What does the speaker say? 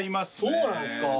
そうなんですか。